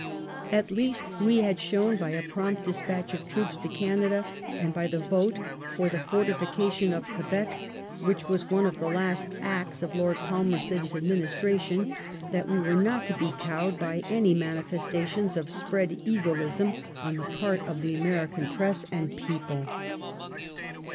At least we had shown by a prompt despatch of troops to Canada, and by the vote for the fortification of Quebec, which was one of the last acts of Lord Palmerston's administration, that we were not to be cowed by any manifestations of spread eagleism on the part of the American press and people.